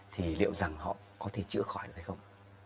thì liệu rằng họ có thể chữa khỏi hay không